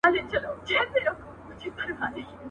د خرې څټه ورکه شه، د ښځي گټه ورکه شه.